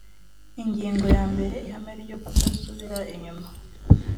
ingingo ya mbere ihame ryo kudasubira inyuma